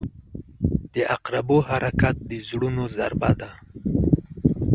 • د عقربو حرکت د زړونو ضربه ده.